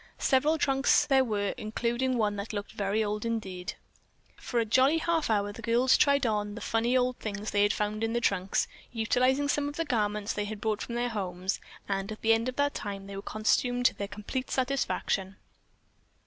Several trunks there were including one that looked very old indeed. For a jolly half hour the girls tried on the funny old things they found in the trunks, utilizing some of the garments they had brought from their homes, and at the end of that time they were costumed to their complete satisfaction.